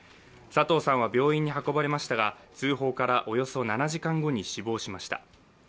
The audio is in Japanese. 佐藤さんは病院に運ばれましたが通報からおよそ７時間後に死亡しました。